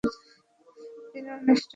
তিনি অনির্দিষ্ট ভঙ্গিতে এগুচ্ছেন।